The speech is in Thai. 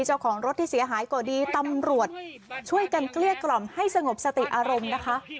เจ้าของรถที่เสียหายกว่าดีตำรวจช่วยกันเกลี้ยกล่อมให้สงบสติอารมณ์นะคะ